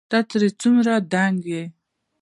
ته ترې څونه دنګ يې